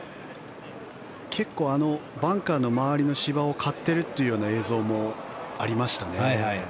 結構、バンカーの周りの芝を刈っているという映像もありましたね。